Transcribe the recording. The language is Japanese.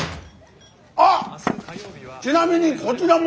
あっちなみにこちらも！